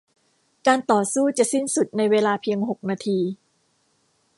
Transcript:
การต่อสู้จะสิ้นสุดในเวลาเพียงหกนาที